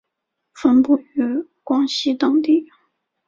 分布于广西等地。